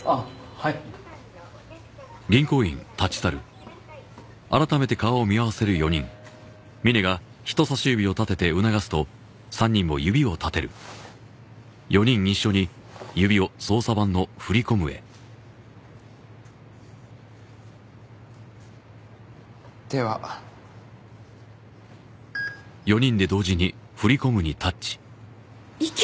はいでは行け！